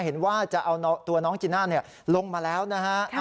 เห็นว่าจะเอาตัวน้องจีน่าลงมาแล้วนะฮะ